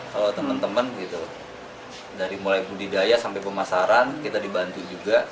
kalau teman teman gitu dari mulai budidaya sampai pemasaran kita dibantu juga